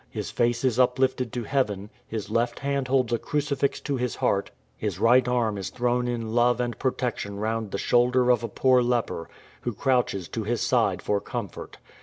His face is uplifted to heaven, his left hand holds a crucifix to his heart, his right arm is thrown in love and protection round the shoulder of a poor leper, who crouches to his side for comfort.